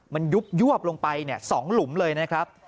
มันยุบยวบลงไป๒หลุมเลยนะครับ